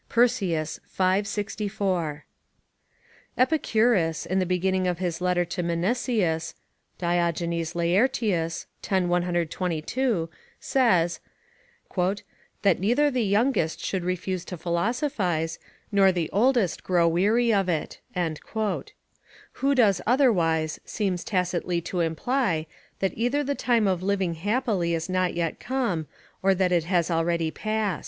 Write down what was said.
Persius, v. 64.] Epicurus, in the beginning of his letter to Meniceus, [Diogenes Laertius, x. 122.] says, "That neither the youngest should refuse to philosophise, nor the oldest grow weary of it." Who does otherwise, seems tacitly to imply, that either the time of living happily is not yet come, or that it is already past.